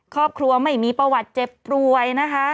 ครอบครัวไม่มีประวัติเจ็บป่วยนะคะ